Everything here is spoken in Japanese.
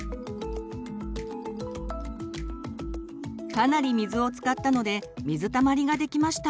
かなり水を使ったので水たまりができました。